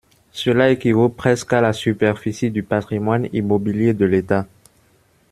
Cela équivaut presque à la superficie du patrimoine immobilier de l’État.